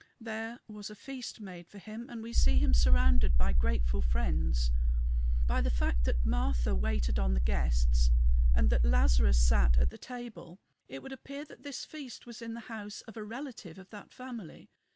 There was a feast made for him, and we see him surrounded by grateful friends. By the fact that Martha waited on the guests and that Lazarus sat at the table it would appear that this feast was in the house of a relative of that family.